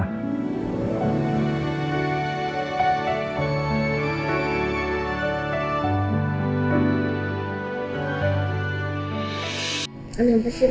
anak anak makasih banget